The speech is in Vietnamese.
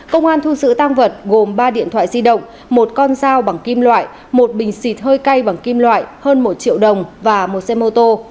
công an thu giữ tăng vật gồm ba điện thoại di động một con dao bằng kim loại một bình xịt hơi cay bằng kim loại hơn một triệu đồng và một xe mô tô